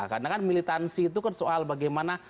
karena kan militansi itu kan soal bagaimana